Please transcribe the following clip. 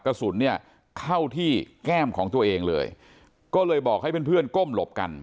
กระสุนเนี่ยเข้าที่แก้มของตัวเองเลยก็เลยบอกให้เพื่อนเพื่อนก้มหลบกัน